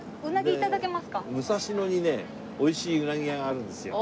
武蔵野にね美味しいうなぎ屋があるんですよ。